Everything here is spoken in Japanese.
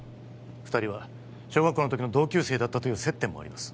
二人は小学校の時の同級生だったという接点もあります